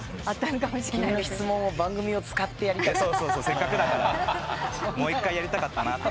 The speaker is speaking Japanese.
せっかくだからもう１回やりたかったなと。